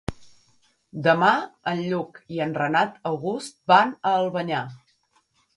Demà en Lluc i en Renat August van a Albanyà.